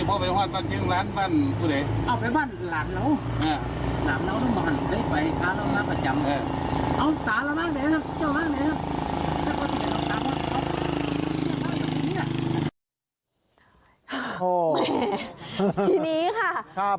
โอ้โฮแม่ทีนี้ข้าครับ